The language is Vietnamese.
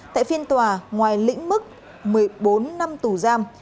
tại phiên tòa ngoài lĩnh mức một mươi bốn năm tù giam